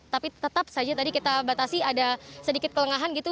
tapi tetap saja tadi kita batasi ada sedikit kelengahan gitu